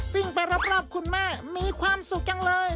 วิ่งไปรอบคุณแม่มีความสุขจังเลย